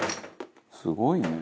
すごいね」